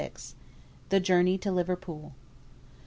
THE JOURNEY TO LIVERPOOL.